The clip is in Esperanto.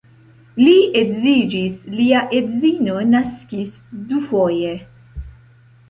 Li edziĝis, lia edzino naskis dufoje.